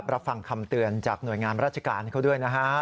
รับฟังคำเตือนจากหน่วยงานราชการเขาด้วยนะฮะ